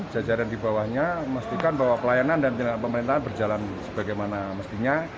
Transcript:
belajar yang dibawahnya memastikan bahwa pelayanan dan tindakan pemerintahan berjalan sebagaimana mestinya